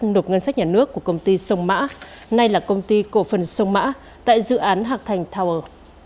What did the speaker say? nộp ngân sách nhà nước của công ty sông mã nay là công ty cổ phần sông mã tại dự án hạc thành tower